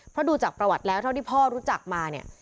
เพราะดูจากประวัติแล้วเท่าที่พ่อรู้จักมาเนี่ย